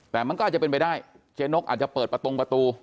แต่มันก็อาจจะเป็นไปได้เจ๊นกอาจจะเปิดประตงประตู